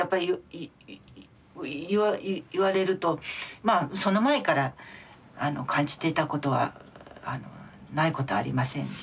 まあその前から感じていたことはないことはありませんし。